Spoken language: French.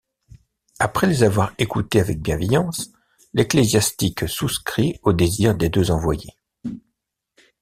Après les avoir écouté avec bienveillance, l'ecclésiastique souscrit au désir des deux envoyés.